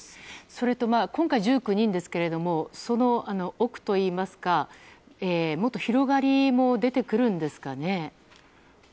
それと今回１９人ですがその奥といいますかもっと広がりも出てくるんですかね？